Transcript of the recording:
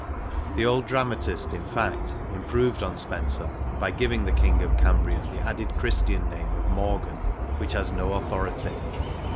The old dramatist in fact improved on Spenser by giving the King ot Cambria the added Christian name of Morgan, which has no authority.